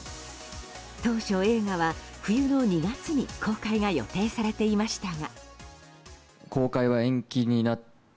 当初、映画は冬の２月に公開が予定されていましたが。